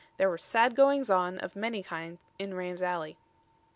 There were sad goings on of many kinds in Ram Alley.